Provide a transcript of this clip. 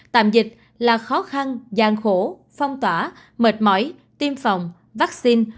tạm dịch là khó khăn gian khổ phong tỏa mệt mỏi tiêm phòng vaccine